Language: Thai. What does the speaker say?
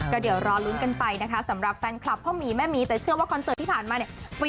ก็เดี๋ยวรอลุ้นกันไปนะคะสำหรับแฟนคลับพ่อหมีแม่หมีแต่เชื่อว่าคอนเสิร์ตที่ผ่านมาเนี่ย